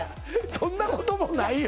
そんなこともないよ？